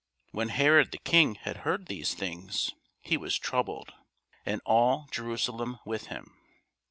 When Herod the king had heard these things, he was troubled, and all Jerusalem with him.